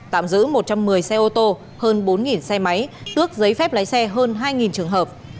tạm giữ một trăm một mươi xe ô tô hơn bốn xe máy tước giấy phép lái xe hơn hai trường hợp